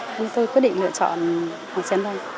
nhưng tôi quyết định lựa chọn xe ăn banh